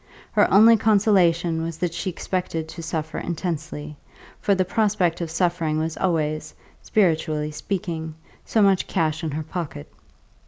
Her only consolation was that she expected to suffer intensely; for the prospect of suffering was always, spiritually speaking, so much cash in her pocket.